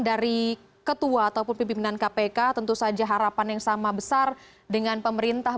dari ketua ataupun pimpinan kpk tentu saja harapan yang sama besar dengan pemerintah